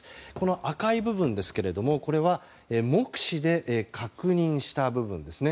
赤い部分ですが、これは目視で確認した部分ですね。